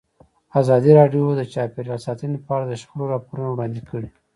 ازادي راډیو د چاپیریال ساتنه په اړه د شخړو راپورونه وړاندې کړي.